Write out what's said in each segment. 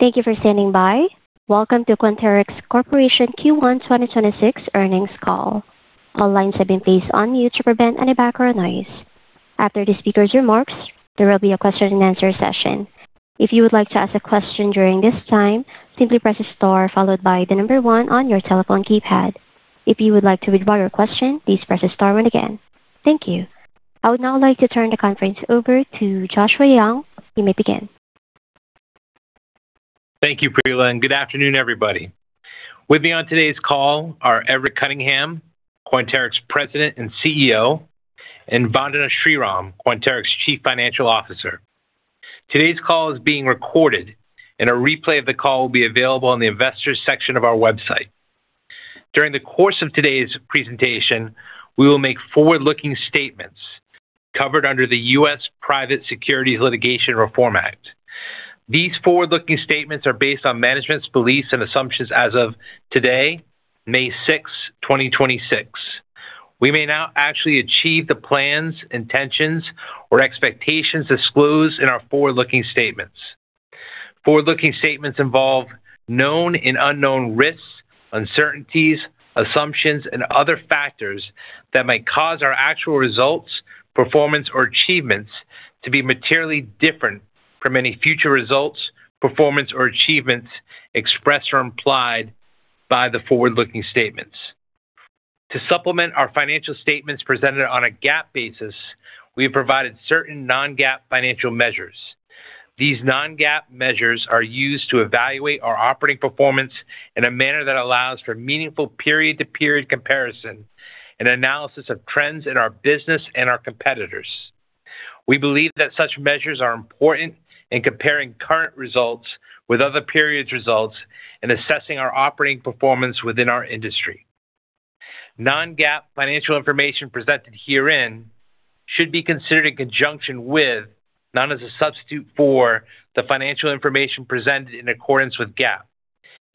Thank you for standing by. Welcome to Quanterix Corporation Q1 2026 earnings call. All lines have been placed on mute to prevent any background noise. After the speaker's remarks, there will be a question and answer session. Thank you. I would now like to turn the conference over to Joshua Young. You may begin. Thank you, Priscilla, and good afternoon, everybody. With me on today's call are Everett Cunningham, Quanterix President and CEO, and Vandana Sriram, Quanterix Chief Financial Officer. Today's call is being recorded, and a replay of the call will be available on the investors section of our website. During the course of today's presentation, we will make forward-looking statements covered under the U.S. Private Securities Litigation Reform Act. These forward-looking statements are based on management's beliefs and assumptions as of today, May 6, 2026. We may not actually achieve the plans, intentions, or expectations disclosed in our forward-looking statements. Forward-looking statements involve known and unknown risks, uncertainties, assumptions, and other factors that may cause our actual results, performance, or achievements to be materially different from any future results, performance, or achievements expressed or implied by the forward-looking statements. To supplement our financial statements presented on a GAAP basis, we have provided certain non-GAAP financial measures. These non-GAAP measures are used to evaluate our operating performance in a manner that allows for meaningful period-to-period comparison and analysis of trends in our business and our competitors. We believe that such measures are important in comparing current results with other periods' results and assessing our operating performance within our industry. Non-GAAP financial information presented herein should be considered in conjunction with, not as a substitute for, the financial information presented in accordance with GAAP.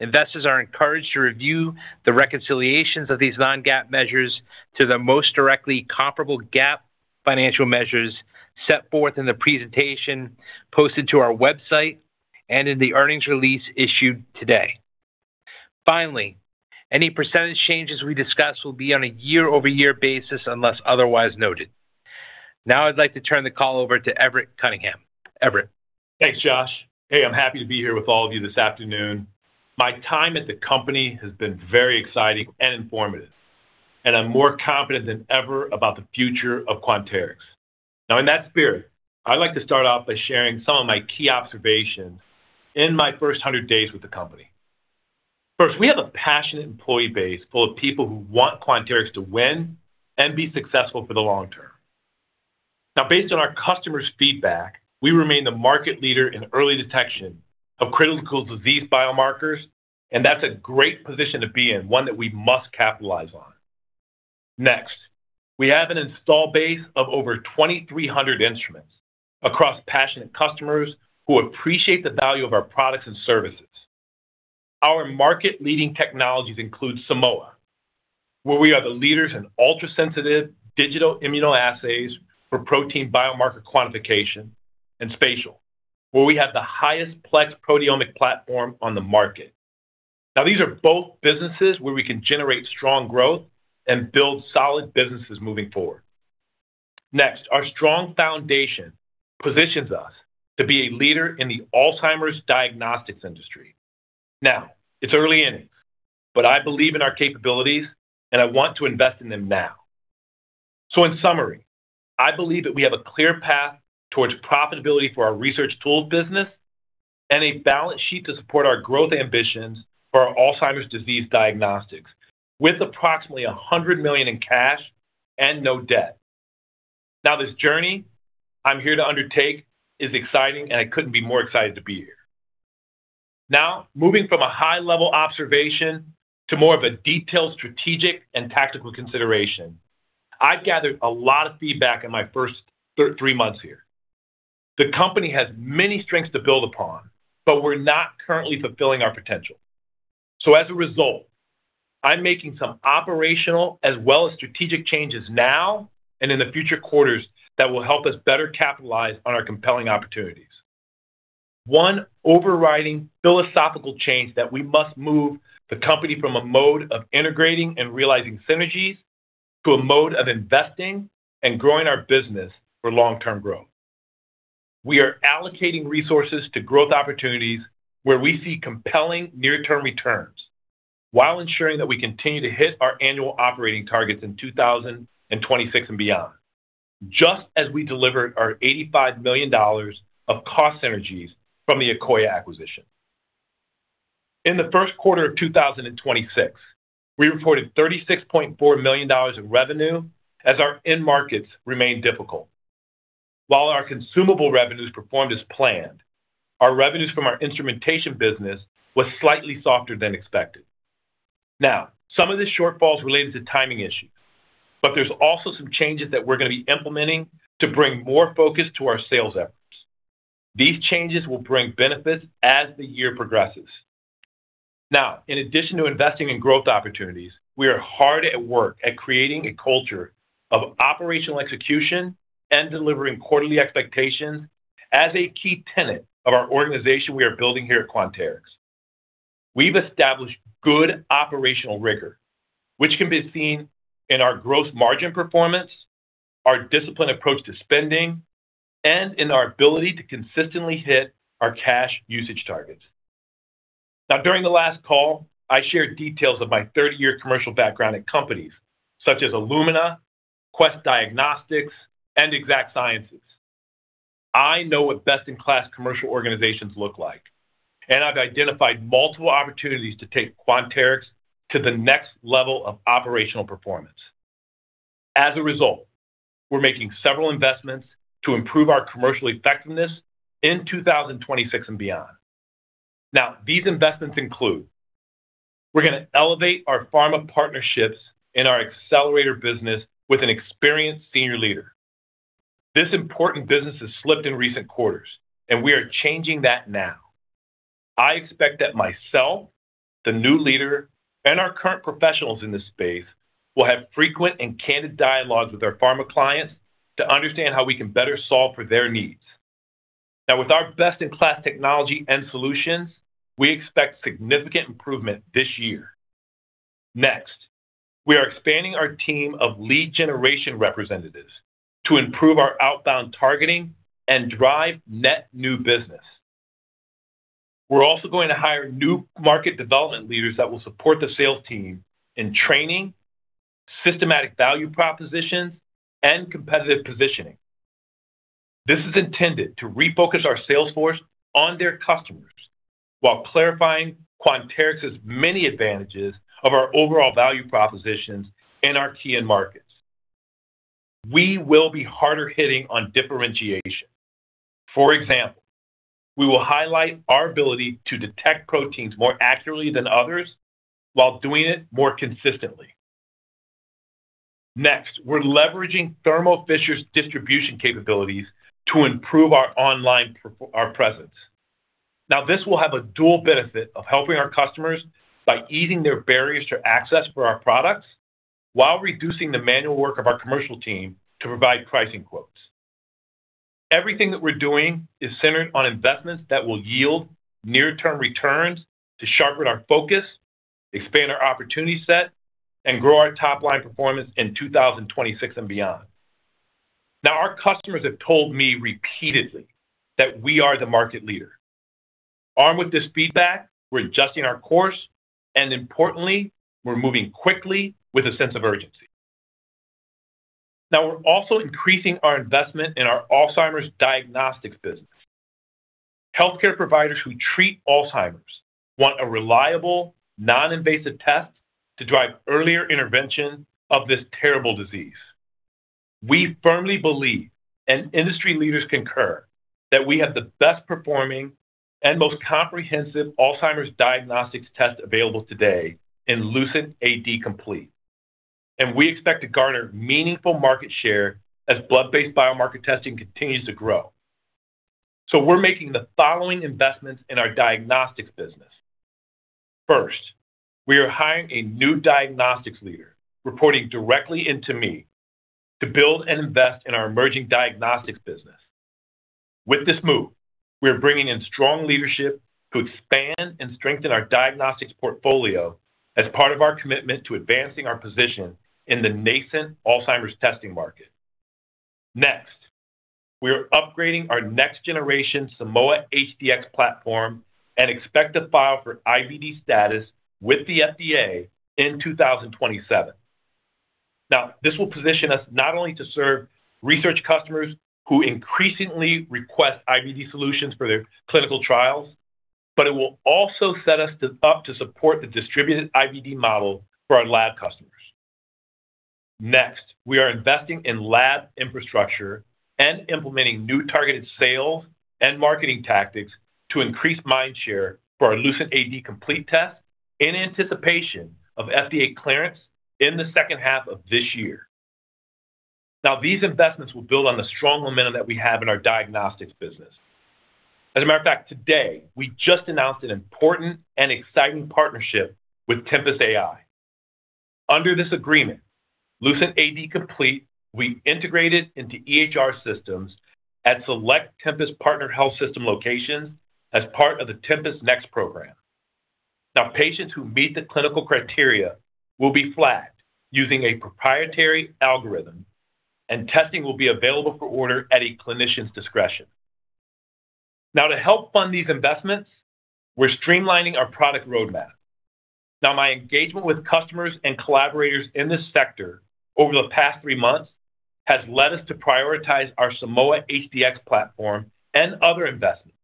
Investors are encouraged to review the reconciliations of these non-GAAP measures to the most directly comparable GAAP financial measures set forth in the presentation posted to our website and in the earnings release issued today. Finally, any percentage changes we discuss will be on a year-over-year basis unless otherwise noted. Now I'd like to turn the call over to Everett Cunningham. Everett. Thanks, Josh. Hey, I'm happy to be here with all of you this afternoon. My time at the company has been very exciting and informative, and I'm more confident than ever about the future of Quanterix. In that spirit, I'd like to start off by sharing some of my key observations in my first 100 days with the company. First, we have a passionate employee base full of people who want Quanterix to win and be successful for the long term. Based on our customers' feedback, we remain the market leader in early detection of critical disease biomarkers, and that's a great position to be in, one that we must capitalize on. We have an install base of over 2,300 instruments across passionate customers who appreciate the value of our products and services. Our market-leading technologies include Simoa, where we are the leaders in ultrasensitive digital immunoassays for protein biomarker quantification, and spatial, where we have the highest plex proteomic platform on the market. These are both businesses where we can generate strong growth and build solid businesses moving forward. Our strong foundation positions us to be a leader in the Alzheimer's diagnostics industry. It's early innings, but I believe in our capabilities, and I want to invest in them now. In summary, I believe that we have a clear path towards profitability for our research tools business and a balance sheet to support our growth ambitions for our Alzheimer's disease diagnostics with approximately $100 million in cash and no debt. This journey I'm here to undertake is exciting, and I couldn't be more excited to be here. Now, moving from a high-level observation to more of a detailed strategic and tactical consideration, I've gathered a lot of feedback in my first three months here. The company has many strengths to build upon, but we're not currently fulfilling our potential. As a result, I'm making some operational as well as strategic changes now and in the future quarters that will help us better capitalize on our compelling opportunities. One overriding philosophical change that we must move the company from a mode of integrating and realizing synergies to a mode of investing and growing our business for long-term growth. We are allocating resources to growth opportunities where we see compelling near-term returns while ensuring that we continue to hit our annual operating targets in 2026 and beyond, just as we delivered our $85 million of cost synergies from the Akoya acquisition. In the first quarter of 2026, we reported $36.4 million in revenue as our end markets remained difficult. While our consumable revenues performed as planned, our revenues from our instrumentation business was slightly softer than expected. Some of the shortfalls related to timing issues, but there's also some changes that we're gonna be implementing to bring more focus to our sales efforts. These changes will bring benefits as the year progresses. In addition to investing in growth opportunities, we are hard at work at creating a culture of operational execution and delivering quarterly expectations as a key tenet of our organization we are building here at Quanterix. We've established good operational rigor, which can be seen in our gross margin performance, our disciplined approach to spending, and in our ability to consistently hit our cash usage targets. During the last call, I shared details of my 30-year commercial background at companies such as Illumina, Quest Diagnostics, and Exact Sciences. I know what best-in-class commercial organizations look like, and I've identified multiple opportunities to take Quanterix to the next level of operational performance. As a result, we're making several investments to improve our commercial effectiveness in 2026 and beyond. These investments include, we're going to elevate our pharma partnerships and our accelerator business with an experienced senior leader. This important business has slipped in recent quarters, and we are changing that now. I expect that myself, the new leader, and our current professionals in this space will have frequent and candid dialogues with our pharma clients to understand how we can better solve for their needs. With our best-in-class technology and solutions, we expect significant improvement this year. We are expanding our team of lead generation representatives to improve our outbound targeting and drive net new business. We are also going to hire new market development leaders that will support the sales team in training, systematic value propositions, and competitive positioning. This is intended to refocus our sales force on their customers while clarifying Quanterix's many advantages of our overall value propositions in our TN markets. We will be harder hitting on differentiation. For example, we will highlight our ability to detect proteins more accurately than others while doing it more consistently. We are leveraging Thermo Fisher's distribution capabilities to improve our online presence. This will have a dual benefit of helping our customers by easing their barriers to access for our products while reducing the manual work of our commercial team to provide pricing quotes. Everything that we're doing is centered on investments that will yield near-term returns to sharpen our focus, expand our opportunity set, and grow our top-line performance in 2026 and beyond. Now, our customers have told me repeatedly that we are the market leader. Armed with this feedback, we're adjusting our course, and importantly, we're moving quickly with a sense of urgency. Now, we're also increasing our investment in our Alzheimer's diagnostics business. Healthcare providers who treat Alzheimer's want a reliable, non-invasive test to drive earlier intervention of this terrible disease. We firmly believe, and industry leaders concur, that we have the best performing and most comprehensive Alzheimer's diagnostics test available today in LucentAD Complete, and we expect to garner meaningful market share as blood-based biomarker testing continues to grow. We're making the following investments in our diagnostics business. We are hiring a new diagnostics leader, reporting directly into me, to build and invest in our emerging diagnostics business. With this move, we are bringing in strong leadership to expand and strengthen our diagnostics portfolio as part of our commitment to advancing our position in the nascent Alzheimer's testing market. We are upgrading our next-generation Simoa HD-X platform and expect to file for IVD status with the FDA in 2027. This will position us not only to serve research customers who increasingly request IVD solutions for their clinical trials, but it will also set us up to support the distributed IVD model for our lab customers. Next, we are investing in lab infrastructure and implementing new targeted sales and marketing tactics to increase mind share for our LucentAD Complete test in anticipation of FDA clearance in the second half of this year. These investments will build on the strong momentum that we have in our diagnostics business. As a matter of fact, today, we just announced an important and exciting partnership with Tempus AI. Under this agreement, LucentAD Complete will be integrated into EHR systems at select Tempus Partner Health system locations as part of the Tempus Next program. Patients who meet the clinical criteria will be flagged using a proprietary algorithm, and testing will be available for order at a clinician's discretion. To help fund these investments, we're streamlining our product roadmap. My engagement with customers and collaborators in this sector over the past three months has led us to prioritize our Simoa HD-X platform and other investments,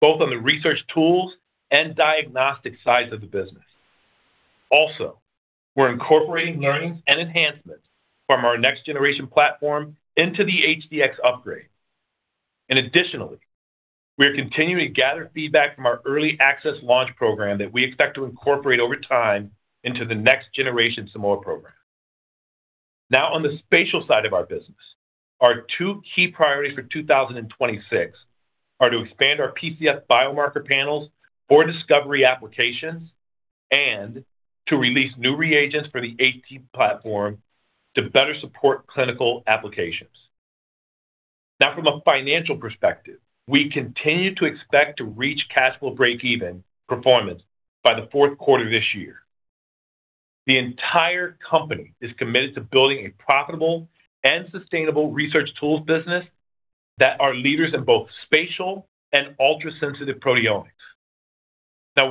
both on the research tools and diagnostic sides of the business. We're incorporating learnings and enhancements from our next-generation platform into the HDX upgrade. Additionally, we are continuing to gather feedback from our early access launch program that we expect to incorporate over time into the next-generation Simoa program. On the spatial side of our business, our two key priorities for 2026 are to expand our PhenoCode biomarker panels for discovery applications and to release new reagents for the AT platform to better support clinical applications. From a financial perspective, we continue to expect to reach cash flow breakeven performance by the fourth quarter this year. The entire company is committed to building a profitable and sustainable research tools business that are leaders in both spatial and ultrasensitive proteomics.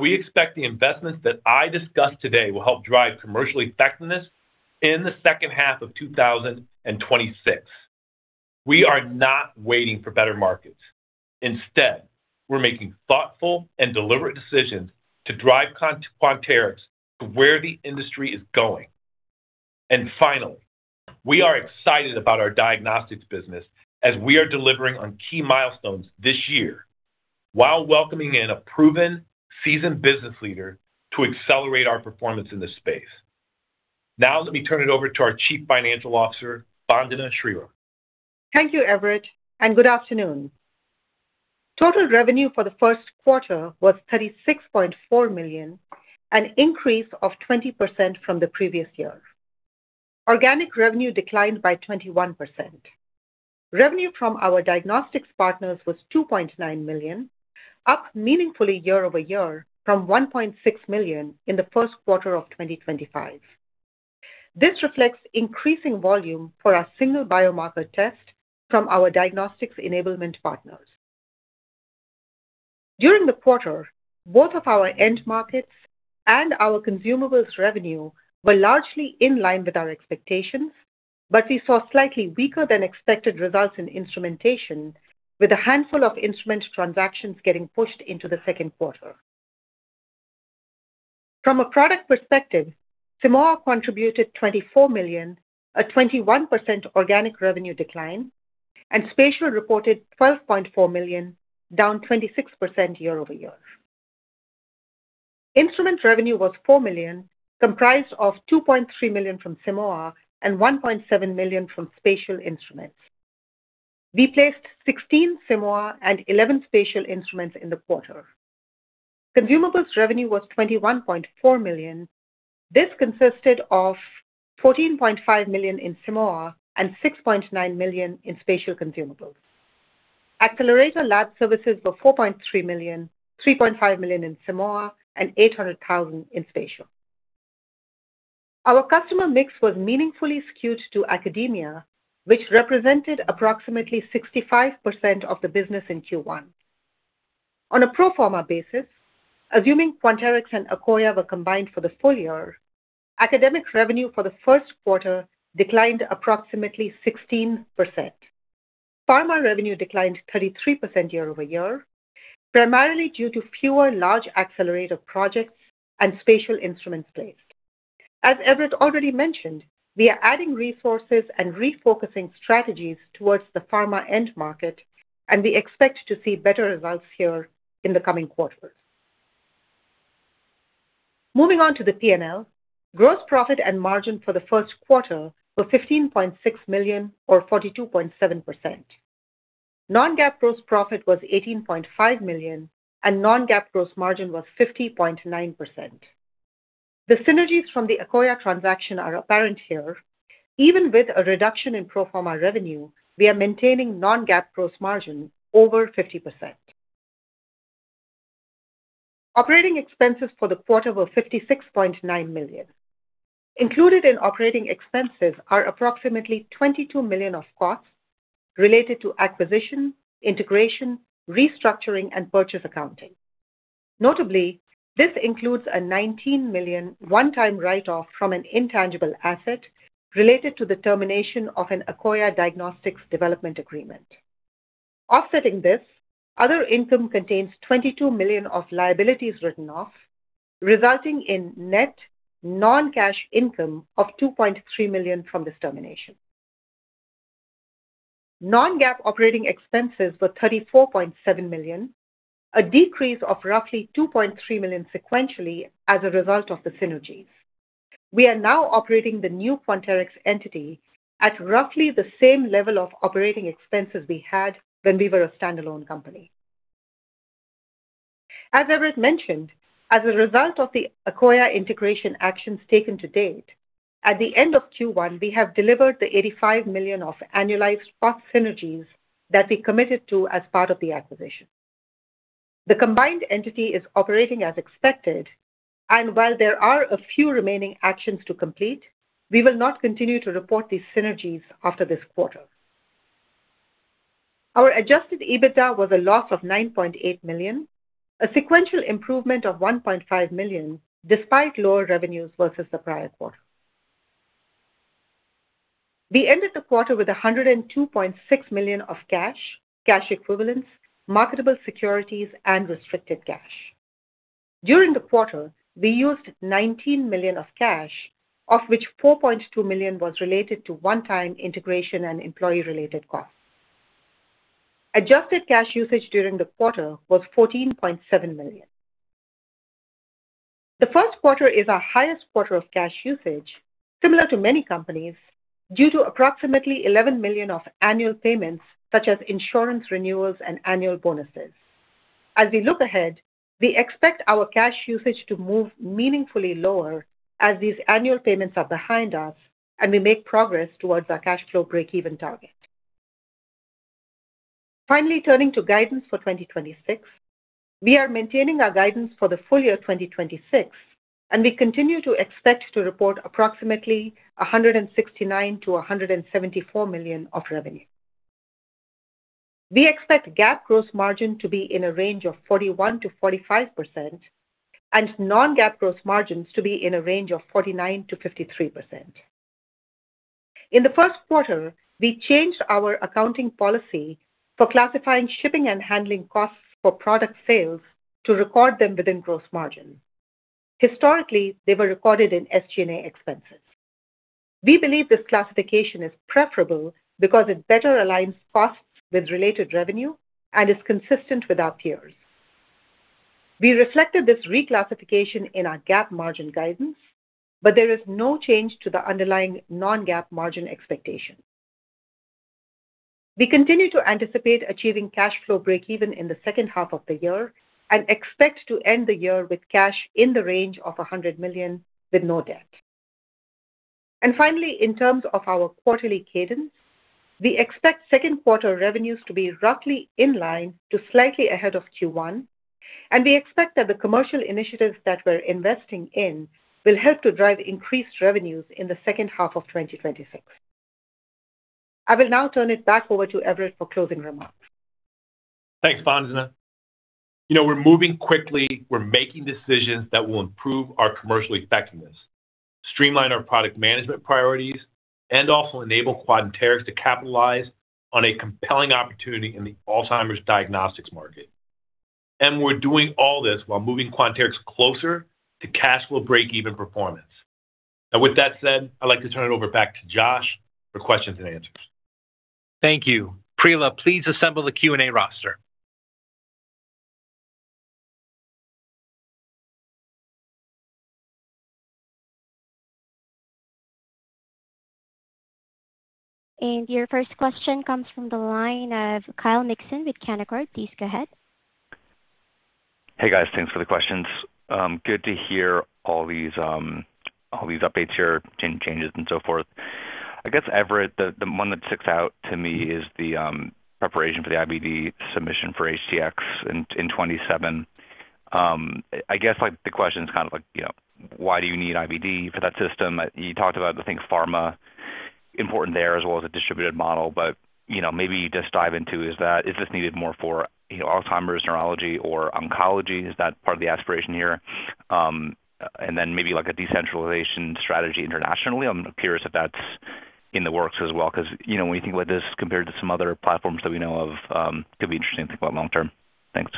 We expect the investments that I discussed today will help drive commercial effectiveness in the second half of 2026. We are not waiting for better markets. Instead, we're making thoughtful and deliberate decisions to drive Quanterix to where the industry is going. Finally, we are excited about our diagnostics business as we are delivering on key milestones this year, while welcoming in a proven, seasoned business leader to accelerate our performance in this space. Let me turn it over to our Chief Financial Officer, Vandana Sriram. Thank you, Everett, good afternoon. Total revenue for the first quarter was $36.4 million, an increase of 20% from the previous year. Organic revenue declined by 21%. Revenue from our diagnostics partners was $2.9 million, up meaningfully year-over-year from $1.6 million in the first quarter of 2025. This reflects increasing volume for our single biomarker test from our diagnostics enablement partners. During the quarter, both of our end markets and our consumables revenue were largely in line with our expectations, but we saw slightly weaker than expected results in instrumentation, with a handful of instrument transactions getting pushed into the second quarter. From a product perspective, Simoa contributed $24 million, a 21% organic revenue decline, and spatial reported $12.4 million, down 26% year-over-year. Instrument revenue was $4 million, comprised of $2.3 million from Simoa and $1.7 million from spatial instruments. We placed 16 Simoa and 11 spatial instruments in the quarter. Consumables revenue was $21.4 million. This consisted of $14.5 million in Simoa and $6.9 million in spatial consumables. Accelerator lab services were $4.3 million, $3.5 million in Simoa, and $800,000 in spatial. Our customer mix was meaningfully skewed to academia, which represented approximately 65% of the business in Q1. On a pro forma basis, assuming Quanterix and Akoya were combined for the full year, academic revenue for the first quarter declined approximately 16%. Pharma revenue declined 33% year-over-year, primarily due to fewer large accelerator projects and spatial instruments placed. As Everett already mentioned, we are adding resources and refocusing strategies towards the pharma end market. We expect to see better results here in the coming quarters. Moving on to the P&L. Gross profit and margin for the first quarter were $15.6 million or 42.7%. Non-GAAP gross profit was $18.5 million. Non-GAAP gross margin was 50.9%. The synergies from the Akoya transaction are apparent here. Even with a reduction in pro forma revenue, we are maintaining non-GAAP gross margin over 50%. Operating expenses for the quarter were $56.9 million. Included in operating expenses are approximately $22 million of costs related to acquisition, integration, restructuring, and purchase accounting. Notably, this includes a $19 million one-time write-off from an intangible asset related to the termination of an Akoya Biosciences development agreement. Offsetting this, other income contains $22 million of liabilities written off, resulting in net non-cash income of $2.3 million from this termination. Non-GAAP operating expenses were $34.7 million, a decrease of roughly $2.3 million sequentially as a result of the synergies. We are now operating the new Quanterix entity at roughly the same level of operating expenses we had when we were a standalone company. As Everett mentioned, as a result of the Akoya integration actions taken to date, at the end of Q1, we have delivered the $85 million of annualized cost synergies that we committed to as part of the acquisition. The combined entity is operating as expected, and while there are a few remaining actions to complete, we will not continue to report these synergies after this quarter. Our adjusted EBITDA was a loss of $9.8 million, a sequential improvement of $1.5 million despite lower revenues versus the prior quarter. We ended the quarter with $102.6 million of cash equivalents, marketable securities and restricted cash. During the quarter, we used $19 million of cash, of which $4.2 million was related to one-time integration and employee-related costs. Adjusted cash usage during the quarter was $14.7 million. The first quarter is our highest quarter of cash usage, similar to many companies, due to approximately $11 million of annual payments such as insurance renewals and annual bonuses. We look ahead, we expect our cash usage to move meaningfully lower as these annual payments are behind us and we make progress towards our cash flow breakeven target. Turning to guidance for 2026. We are maintaining our guidance for the full year 2026, and we continue to expect to report approximately $169 million-$174 million of revenue. We expect GAAP gross margin to be in a range of 41%-45% and non-GAAP gross margins to be in a range of 49%-53%. In the first quarter, we changed our accounting policy for classifying shipping and handling costs for product sales to record them within gross margin. Historically, they were recorded in SG&A expenses. We believe this classification is preferable because it better aligns costs with related revenue and is consistent with our peers. We reflected this reclassification in our GAAP margin guidance, but there is no change to the underlying non-GAAP margin expectation. We continue to anticipate achieving cash flow breakeven in the second half of the year and expect to end the year with cash in the range of $100 million with no debt. Finally, in terms of our quarterly cadence, we expect second quarter revenues to be roughly in line to slightly ahead of Q1, and we expect that the commercial initiatives that we're investing in will help to drive increased revenues in the second half of 2026. I will now turn it back over to Everett for closing remarks. Thanks, Vandana. You know, we're moving quickly. We're making decisions that will improve our commercial effectiveness, streamline our product management priorities, and also enable Quanterix to capitalize on a compelling opportunity in the Alzheimer's diagnostics market. We're doing all this while moving Quanterix closer to cash flow breakeven performance. Now, with that said, I'd like to turn it over back to Josh for questions and answers. Thank you. Prila, please assemble the Q&A roster. Your first question comes from the line of Kyle Mikson with Canaccord. Please go ahead. Hey, guys. Thanks for the questions. Good to hear all these, all these updates here, changes and so forth. I guess, Everett, the one that sticks out to me is the preparation for the IVD submission for HD-X in 2027. I guess, like, the question is kind of like, you know, why do you need IVD for that system? You talked about, I think, pharma important there as well as a distributed model, but, you know, maybe just dive into Is this needed more for, you know, Alzheimer's, neurology or oncology? Is that part of the aspiration here? And then maybe like a decentralization strategy internationally. It appears that that's in the works as well 'cause, you know, when you think about this compared to some other platforms that we know of, could be interesting to think about long term. Thanks.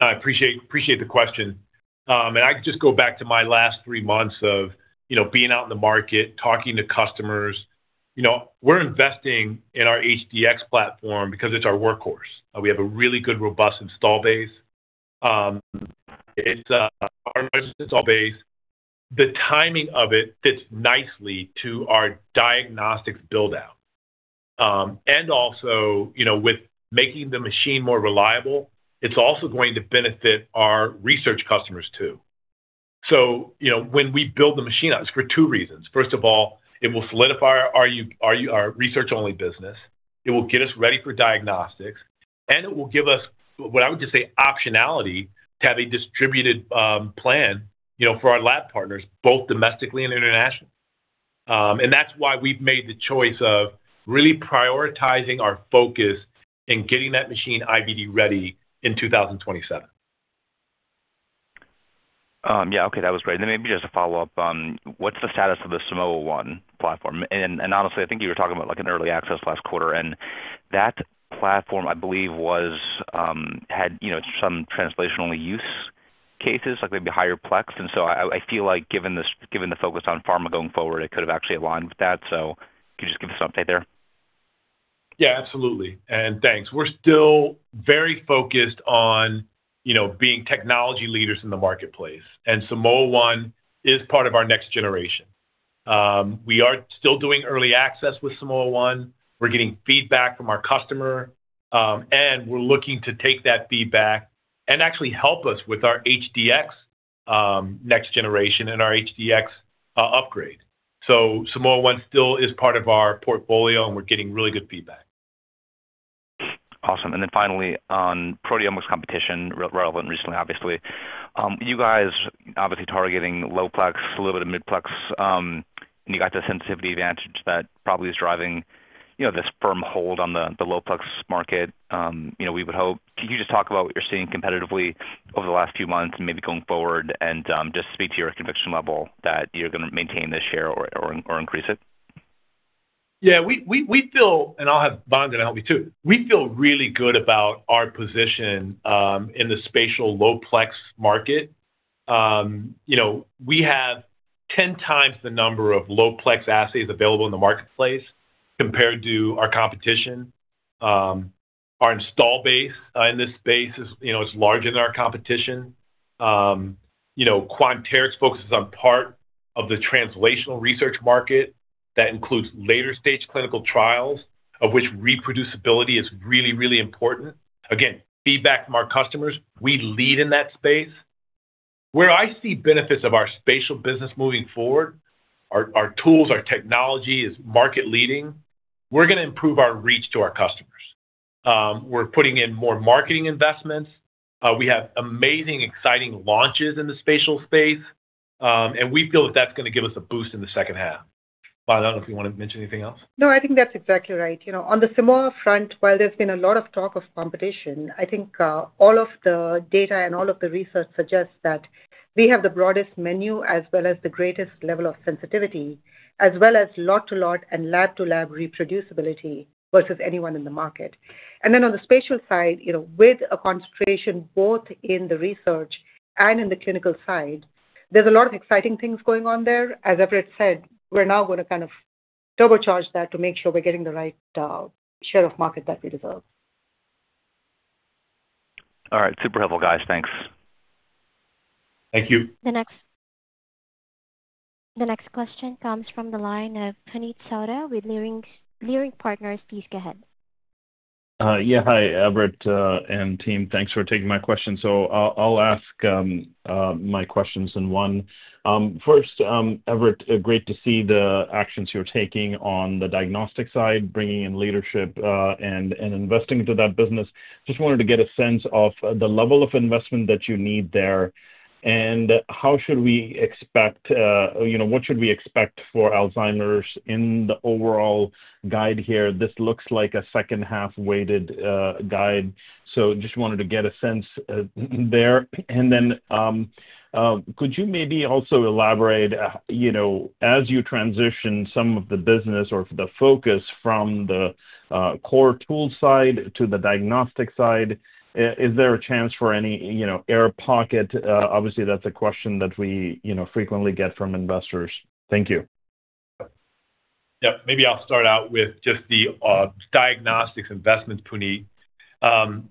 I appreciate the question. I can just go back to my last three months of being out in the market, talking to customers. We're investing in our HD-X platform because it's our workhorse. We have a really good, robust install base. It's our largest install base. The timing of it fits nicely to our diagnostics build-out. Also, with making the machine more reliable, it's also going to benefit our research customers too. When we build the machine out, it's for two reasons. First of all, it will solidify our research-only business, it will get us ready for diagnostics, and it will give us what I would just say optionality to have a distributed plan for our lab partners, both domestically and internationally. That's why we've made the choice of really prioritizing our focus in getting that machine IVD ready in 2027. Yeah. Okay. That was great. Then maybe just to follow up, what's the status of the Simoa1 platform? Honestly, I think you were talking about like an early access last quarter, and that platform, I believe, was had, you know, some translational use cases, like maybe higher plex. I feel like given this, given the focus on pharma going forward, it could have actually aligned with that. Can you just give us an update there? Yeah, absolutely. Thanks. We're still very focused on being technology leaders in the marketplace, Simoa1 is part of our next generation. We are still doing early access with Simoa1. We're getting feedback from our customer, and we're looking to take that feedback and actually help us with our HD-X next generation and our HD-X upgrade. Simoa1 still is part of our portfolio, and we're getting really good feedback. Awesome. Finally, on proteomics competition, relevant recently, obviously. You guys obviously targeting low plex, a little bit of mid plex, and you got the sensitivity advantage that probably is driving, you know, this firm hold on the low plex market, you know, we would hope. Can you just talk about what you're seeing competitively over the last few months and maybe going forward and, just speak to your conviction level that you're gonna maintain this share or increase it? We feel, and I'll have Vandana help me too, we feel really good about our position in the spatial low plex market. You know, we have 10 times the number of low plex assays available in the marketplace compared to our competition. Our install base in this space is, you know, is larger than our competition. You know, Quanterix focuses on part of the translational research market that includes later-stage clinical trials, of which reproducibility is really, really important. Again, feedback from our customers, we lead in that space. Where I see benefits of our spatial business moving forward, our tools, our technology is market-leading. We're gonna improve our reach to our customers. We're putting in more marketing investments. We have amazing, exciting launches in the spatial space. We feel that that's gonna give us a boost in the second half. Vandana, I don't know if you wanna mention anything else. No, I think that's exactly right. You know, on the Simoa front, while there's been a lot of talk of competition, I think, all of the data and all of the research suggests that we have the broadest menu as well as the greatest level of sensitivity, as well as lot-to-lot and lab-to-lab reproducibility versus anyone in the market. On the spatial side, you know, with a concentration both in the research and in the clinical side, there's a lot of exciting things going on there. As Everett said, we're now gonna kind of turbocharge that to make sure we're getting the right share of market that we deserve. All right. Super helpful, guys. Thanks. Thank you. The next question comes from the line of Puneet Souda with Leerink Partners. Please go ahead. Yeah, hi, Everett, and team. Thanks for taking my question. I'll ask my questions in one. First, Everett, great to see the actions you're taking on the diagnostic side, bringing in leadership and investing into that business. Just wanted to get a sense of the level of investment that you need there and how should we expect, you know, what should we expect for Alzheimer's in the overall guide here? This looks like a second half weighted guide, just wanted to get a sense there. Could you maybe also elaborate, you know, as you transition some of the business or the focus from the core tools side to the diagnostic side, is there a chance for any, you know, air pocket? Obviously, that's a question that we, you know, frequently get from investors. Thank you. Yeah. Maybe I'll start out with just the diagnostics investment, Puneet.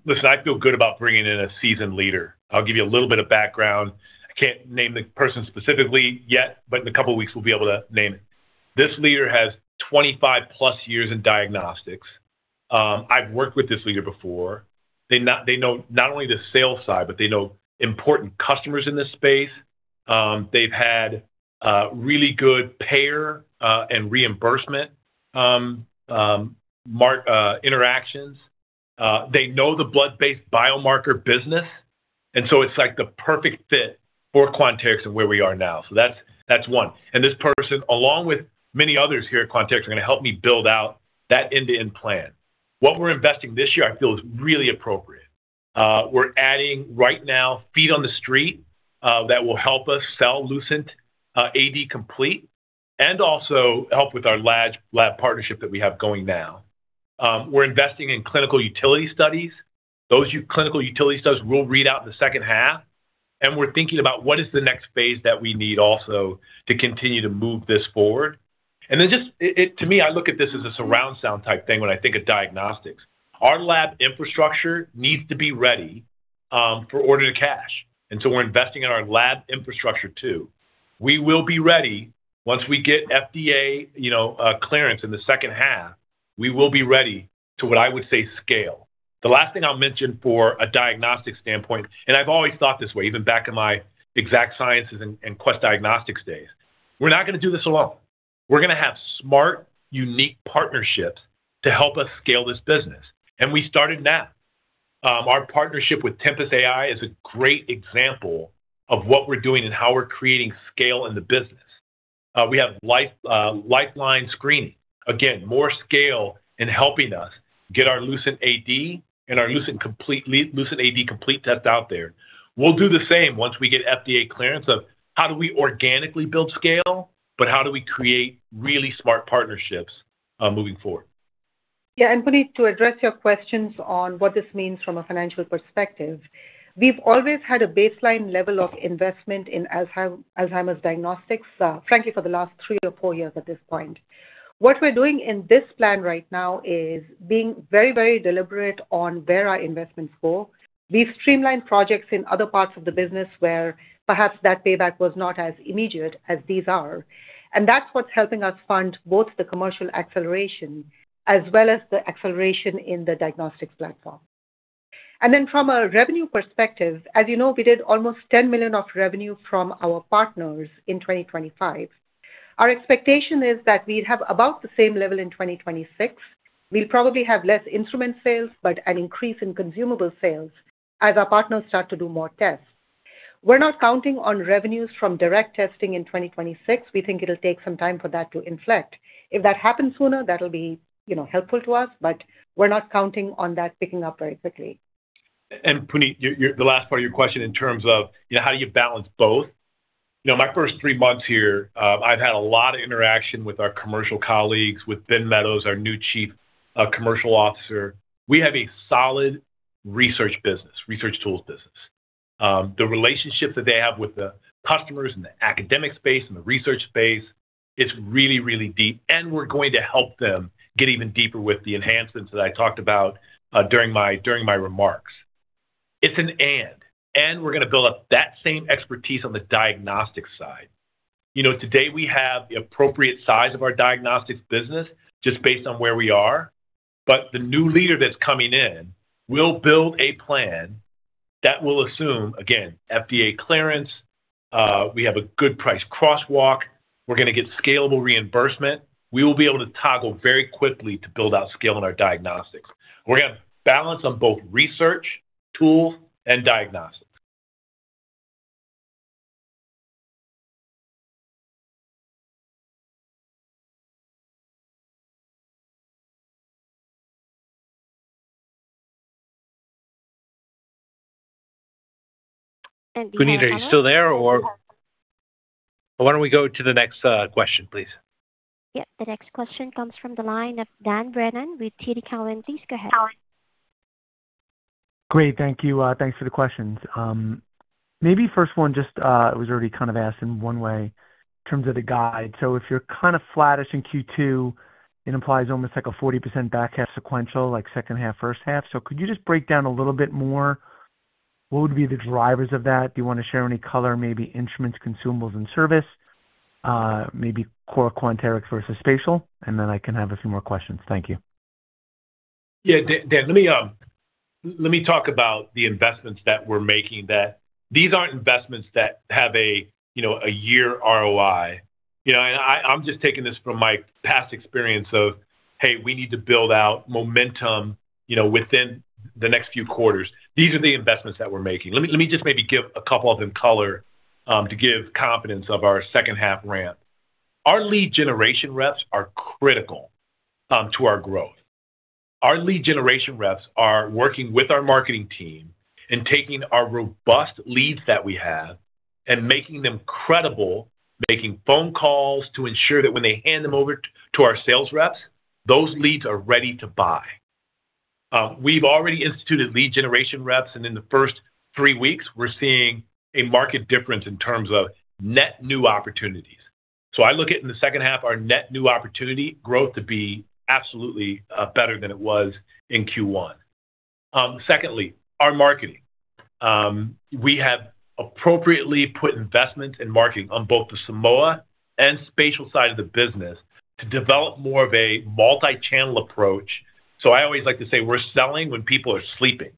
Listen, I feel good about bringing in a seasoned leader. I'll give you a little bit of background. I can't name the person specifically yet, but in a couple of weeks we'll be able to name it. This leader has 25 plus years in diagnostics. I've worked with this leader before. They know not only the sales side, but they know important customers in this space. They've had really good payer and reimbursement interactions. They know the blood-based biomarker business, and so it's like the perfect fit for Quanterix and where we are now. That's one. This person, along with many others here at Quanterix, are gonna help me build out that end-to-end plan. What we're investing this year I feel is really appropriate. We're adding right now feet on the street that will help us sell LucentAD Complete, and also help with our lab partnership that we have going now. We're investing in clinical utility studies. Those clinical utility studies we'll read out in the second half. We're thinking about what is the next phase that we need also to continue to move this forward. Just, to me, I look at this as a surround sound type thing when I think of diagnostics. Our lab infrastructure needs to be ready for order to cash. We're investing in our lab infrastructure too. We will be ready once we get FDA, you know, clearance in the second half, we will be ready to, what I would say, scale. The last thing I'll mention for a diagnostic standpoint, and I've always thought this way, even back in my Exact Sciences and Quest Diagnostics days, we're not gonna do this alone. We're gonna have smart, unique partnerships to help us scale this business, and we started now. Our partnership with Tempus AI is a great example of what we're doing and how we're creating scale in the business. We have Life Line Screening. Again, more scale in helping us get our Lucent AD and our LucentAD Complete test out there. We'll do the same once we get FDA clearance of how do we organically build scale, but how do we create really smart partnerships moving forward. Yeah. Puneet, to address your questions on what this means from a financial perspective, we've always had a baseline level of investment in Alzheimer's diagnostics, frankly, for the last three or four years at this point. What we're doing in this plan right now is being very, very deliberate on where our investments go. We've streamlined projects in other parts of the business where perhaps that payback was not as immediate as these are, and that's what's helping us fund both the commercial acceleration as well as the acceleration in the diagnostics platform. From a revenue perspective, as you know, we did almost $10 million of revenue from our partners in 2025. Our expectation is that we'd have about the same level in 2026. We'll probably have less instrument sales, but an increase in consumable sales as our partners start to do more tests. We're not counting on revenues from direct testing in 2026. We think it'll take some time for that to inflect. If that happens sooner, that'll be, you know, helpful to us, but we're not counting on that picking up very quickly. Puneet, your, the last part of your question in terms of, you know, how do you balance both. You know, my first three months here, I've had a lot of interaction with our commercial colleagues, with Ben Meadows, our new Chief Commercial Officer. We have a solid-Research business, research tools business. The relationships that they have with the customers in the academic space and the research space, it's really, really deep, and we're going to help them get even deeper with the enhancements that I talked about during my remarks. It's an and, we're gonna build up that same expertise on the diagnostics side. You know, today we have the appropriate size of our diagnostics business just based on where we are. The new leader that's coming in will build a plan that will assume, again, FDA clearance, we have a good price crosswalk. We're gonna get scalable reimbursement. We will be able to toggle very quickly to build out scale in our diagnostics. We're gonna balance on both research, tools, and diagnostics. And we have another- Puneet, are you still there or why don't we go to the next question, please? Yeah. The next question comes from the line of Dan Brennan with TD Cowen. Please go ahead. Great. Thank you. Thanks for the questions. Maybe first one just, it was already kind of asked in one way in terms of the guide. If you're kind of flattish in Q2, it implies almost like a 40% back half sequential, like second half, first half. Could you just break down a little bit more what would be the drivers of that? Do you wanna share any color, maybe instruments, consumables, and service, maybe core Quanterix versus spatial? I can have a few more questions. Thank you. Yeah, Dan, let me talk about the investments that we're making, that these aren't investments that have a, you know, a year ROI. You know, I'm just taking this from my past experience of, hey, we need to build out momentum, you know, within the next few quarters. These are the investments that we're making. Let me just maybe give a couple of them color to give confidence of our second half ramp. Our lead generation reps are critical to our growth. Our lead generation reps are working with our marketing team and taking our robust leads that we have and making them credible, making phone calls to ensure that when they hand them over to our sales reps, those leads are ready to buy. We've already instituted lead generation reps, and in the first 3 weeks, we're seeing a marked difference in terms of net new opportunities. I look at, in the second half, our net new opportunity growth to be absolutely better than it was in Q1. Secondly, our marketing. We have appropriately put investment in marketing on both the Simoa and spatial side of the business to develop more of a multi-channel approach. I always like to say we're selling when people are sleeping.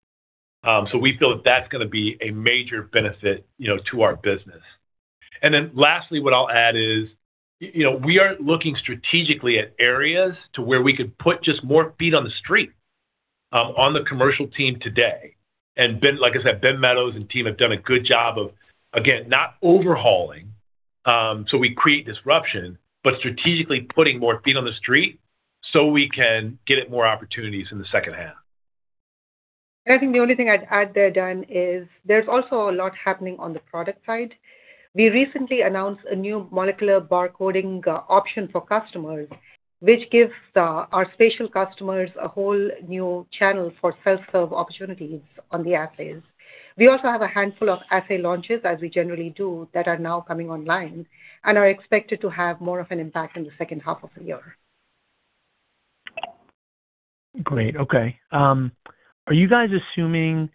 We feel that that's gonna be a major benefit, you know, to our business. Then lastly, what I'll add is, you know, we are looking strategically at areas to where we could put just more feet on the street on the commercial team today. Like I said, Ben Meadows and team have done a good job of, again, not overhauling, so we create disruption, but strategically putting more feet on the street so we can get at more opportunities in the second half. I think the only thing I'd add there, Dan, is there's also a lot happening on the product side. We recently announced a new molecular barcoding option for customers, which gives our spatial customers a whole new channel for self-serve opportunities on the assays. We also have a handful of assay launches, as we generally do, that are now coming online and are expected to have more of an impact in the second half of the year. Great. Okay. Are you guys assuming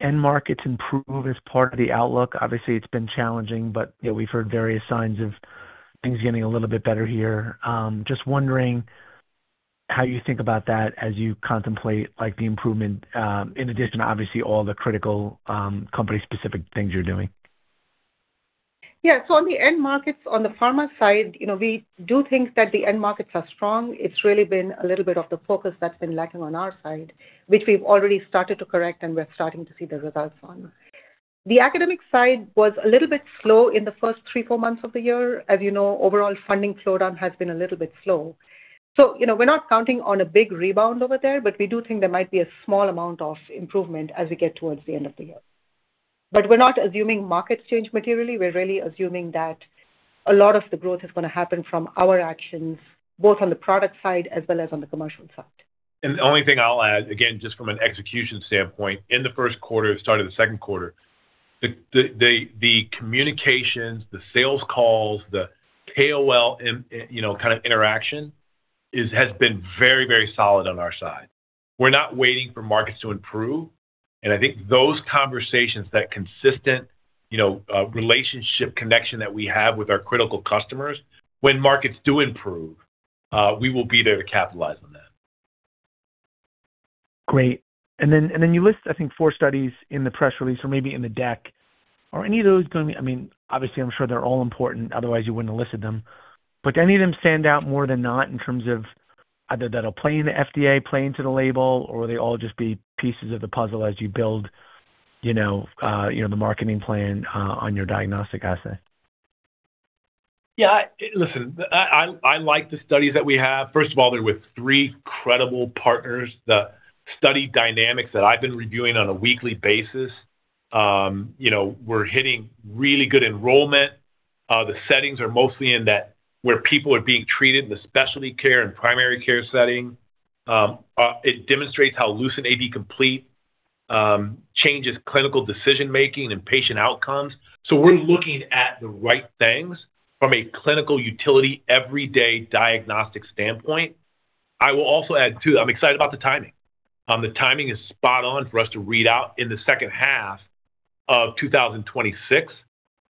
end markets improve as part of the outlook? Obviously, it's been challenging, but, you know, we've heard various signs of things getting a little bit better here. Just wondering how you think about that as you contemplate, like, the improvement, in addition to, obviously, all the critical, company-specific things you're doing? Yeah. On the end markets, on the pharma side, you know, we do think that the end markets are strong. It's really been a little bit of the focus that's been lacking on our side, which we've already started to correct, and we're starting to see the results on. The academic side was a little bit slow in the first three, four months of the year. As you know, overall funding slowdown has been a little bit slow. You know, we're not counting on a big rebound over there, but we do think there might be a small amount of improvement as we get towards the end of the year. We're not assuming markets change materially. We're really assuming that a lot of the growth is gonna happen from our actions, both on the product side as well as on the commercial side. The only thing I'll add, again, just from an execution standpoint, in the first quarter to start of the second quarter, the communications, the sales calls, the KOL, you know, kind of interaction has been very, very solid on our side. We're not waiting for markets to improve. I think those conversations, that consistent, you know, relationship connection that we have with our critical customers, when markets do improve, we will be there to capitalize on that. Great. Then you list, I think, four studies in the press release or maybe in the deck. Are any of those going to I mean, obviously, I'm sure they're all important, otherwise you wouldn't have listed them. Do any of them stand out more than not in terms of either that'll play into FDA, play into the label, or will they all just be pieces of the puzzle as you build, you know, the marketing plan on your diagnostic assay? Yeah. Listen, I like the studies that we have. First of all, they're with three credible partners. The study dynamics that I've been reviewing on a weekly basis, you know, we're hitting really good enrollment. The settings are mostly in that where people are being treated in the specialty care and primary care setting. It demonstrates how LucentAD Complete changes clinical decision-making and patient outcomes. We're looking at the right things from a clinical utility everyday diagnostic standpoint. I will also add, too, I'm excited about the timing. The timing is spot on for us to read out in the second half of 2026,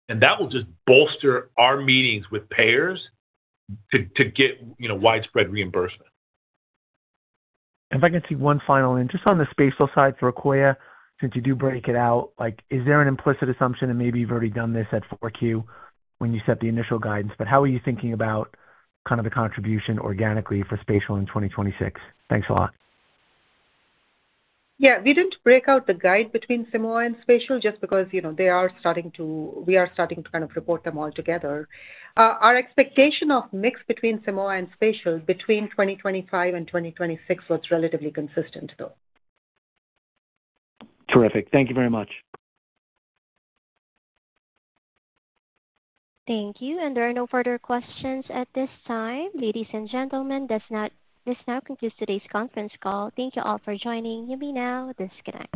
and that will just bolster our meetings with payers to get, you know, widespread reimbursement. If I can sneak one final in, just on the spatial side for Akoya, since you do break it out, like, is there an implicit assumption, and maybe you've already done this at 4Q when you set the initial guidance, but how are you thinking about kind of the contribution organically for spatial in 2026? Thanks a lot. Yeah. We didn't break out the guide between Simoa and spatial just because, you know, we are starting to kind of report them all together. Our expectation of mix between Simoa and spatial between 2025 and 2026 looks relatively consistent, though. Terrific. Thank you very much. Thank you. There are no further questions at this time. Ladies and gentlemen, this now concludes today's conference call. Thank you all for joining. You may now disconnect.